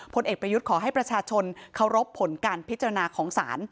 ผลเอกประยุทธ์ขอให้ประชาชนเคารพผลการพิจารณาของศาล